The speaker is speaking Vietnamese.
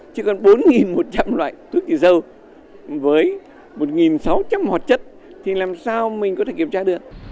chứ còn bốn một trăm linh loại thuốc dịch sâu với một sáu trăm linh hoạt chất thì làm sao mình có thể kiểm tra được